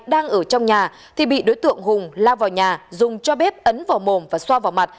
đang ở trong nhà thì bị đối tượng hùng lao vào nhà dùng cho bếp ấn vào mồm và xoa vào mặt